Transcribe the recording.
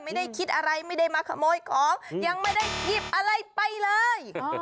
ไม่ได้คิดอะไรไม่ได้มาขโมยของยังไม่ได้หยิบอะไรไปเลย